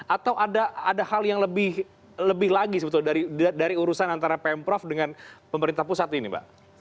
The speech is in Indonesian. atau ada hal yang lebih lagi sebetulnya dari urusan antara pemprov dengan pemerintah pusat ini mbak